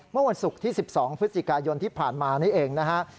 เมื่อวันศุกร์ที่๑๒พฤศจิกายนที่ผ่านมานี่เองนะฮะ